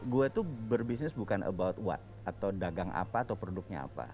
gue tuh berbisnis bukan about what atau dagang apa atau produknya apa